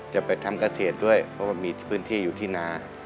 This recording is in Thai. จะไปทำเกษตรด้วยเพราะว่ามีพื้นที่อยู่ที่นา